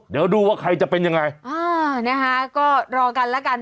เดี๋ยวดูว่าใครจะเป็นยังไงอ่านะคะก็รอกันแล้วกัน